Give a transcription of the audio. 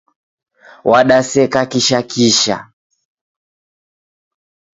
Wadaseka kisha kisha